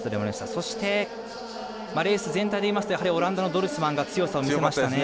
そして、レース全体でいいますとオランダのドルスマンが強さを見せましたね。